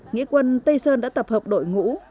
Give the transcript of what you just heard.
nghĩa quân tây sơn đã tập hợp đội ngũ